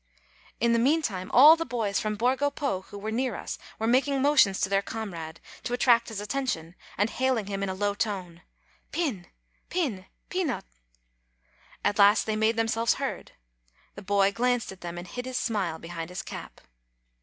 In the meantime, all the boys from Borgo Po who were near us were making motions to their comrade, to attract his attention, and hailing him in a low tone : "Pin! Pin! Pinot!" At last they made themselves heard. The boy glanced at them, and hid his smile behind his cap.